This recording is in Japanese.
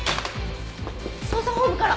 捜査本部から。